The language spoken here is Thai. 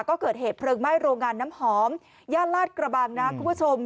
ก็เกิดเหตุเพลิงไหม้โรงงานน้ำหอมย่านลาดกระบังนะคุณผู้ชม